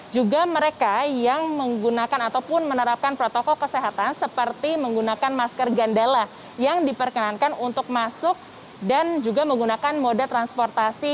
juga mereka yang menggunakan ataupun menerapkan protokol kesehatan seperti menggunakan masker gandala yang diperkenankan untuk masuk dan juga menggunakan moda transportasi